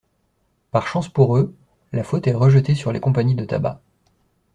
Par chance pour eux, la faute est rejetée sur les compagnies de tabac.